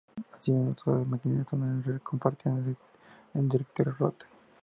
Asimismo, todas las máquinas en la red compartían el directorio root.